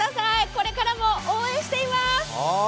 これからも応援しています。